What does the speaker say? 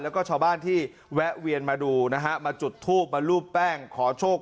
แล้วก็ชาวบ้านที่แวะเวียนมาดูนะฮะมาจุดทูบมารูปแป้งขอโชค